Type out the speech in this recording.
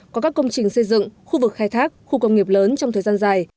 có các công trình xây dựng khu vực khai thác khu công nghiệp lớn trong thời gian dài